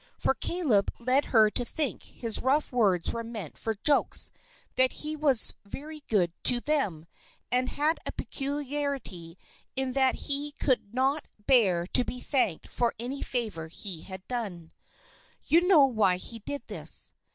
For Caleb led her to think his rough words were meant for jokes; that he was very good to them, and had a peculiarity in that he could not bear to be thanked for any favor he had done. You know why he did this.